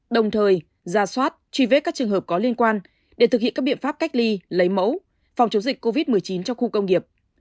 đồng thời ra soát truy vết các trường hợp có liên quan để thực hiện các biện pháp cách ly lấy mẫu phòng chống dịch covid một mươi chín cho khu công nghiệp